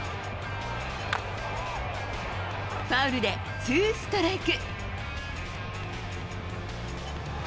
ファウルでツーストライク。